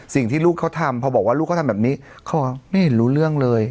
สิ่งที่ลูกเขาทำพอบอกว่าลูกเขาทำแบบนี้เขาไม่เห็นรู้เรื่องเลย